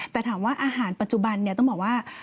แต่ถามว่าอาหารปัจจุบันต้องบอกว่า